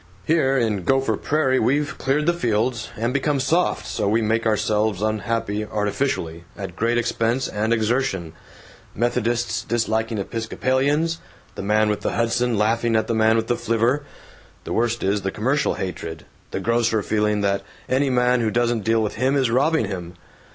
Here in Gopher Prairie we've cleared the fields, and become soft, so we make ourselves unhappy artificially, at great expense and exertion: Methodists disliking Episcopalians, the man with the Hudson laughing at the man with the flivver. The worst is the commercial hatred the grocer feeling that any man who doesn't deal with him is robbing him.